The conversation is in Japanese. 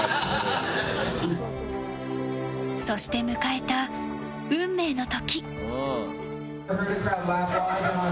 そして迎えた運命の時。